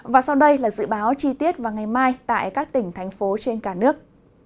và sau đây là dự báo chi tiết vào ngày mai tại các tỉnh thành phố trên cả nước